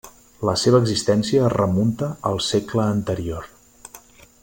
La seva existència es remunta al segle anterior.